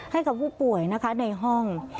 ให้กับผู้ป่วยนะคะในห้อง